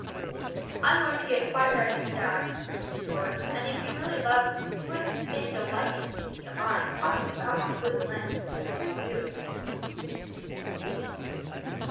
"I'm going to get quite ready to die," persisted Roy; "and if you really loved me you wouldn't think of liking to see me alive hopping about on a wooden leg, I couldn't do it."